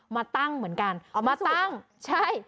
มาตั้งเหมือนกันเอามาตั้งใช่